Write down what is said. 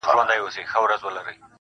اوس د شپې سوي خوبونه زما بدن خوري.